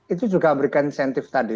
itu juga berikan insentif tadi